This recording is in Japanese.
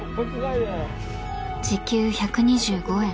時給１２５円。